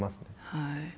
はい。